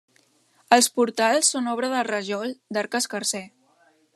Els portals són obra de rajol d'arc escarser.